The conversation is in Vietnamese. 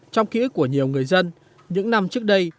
trong ký ức của nhiều người dân những năm trước đây